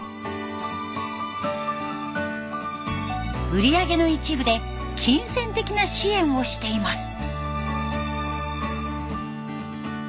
売り上げの一部で金銭的な支援をしています。